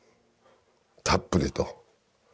たっぷりと。